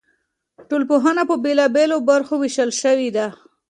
ټولنپوهنه په بېلابېلو برخو ویشل شوې ده.